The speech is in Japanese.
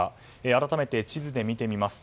改めて、地図で見てみます。